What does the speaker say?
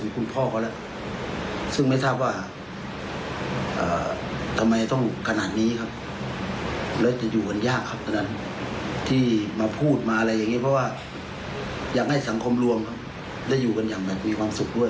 ผู้กลงครับได้อยู่กันอย่างนั้นมีความความสุขด้วย